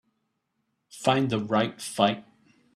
Find The Right Fight